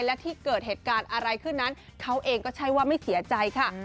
และที่เกิดเหตุการณ์อะไรขึ้นนั้นเขาเองก็ใช่ว่าไม่เสียใจค่ะ